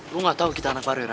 lu gatau kita anak barir ah